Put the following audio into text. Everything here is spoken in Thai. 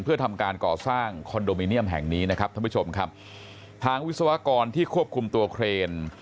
เพื่อทำการก่อสร้างคอนโดมิเนียมแห่งนี้นะครับท่านผู้ชมครับทางวิศวกรที่ควบคุมตัวเครน